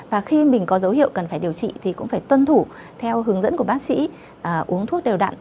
và khi mình có dấu hiệu cần phải điều trị thì cũng phải tuân thủ theo hướng dẫn của bác sĩ uống thuốc đều đặn